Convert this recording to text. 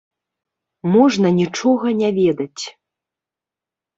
Можна нічога не ведаць.